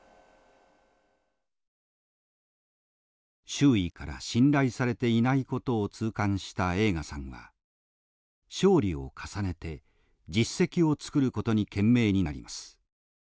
周囲から信頼されていないことを痛感した栄花さんは勝利を重ねて実績をつくることに懸命になります。